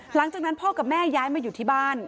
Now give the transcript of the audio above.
หลังจากนั้นพ่อกับแม่ย้ายมาอยู่ที่บ้าน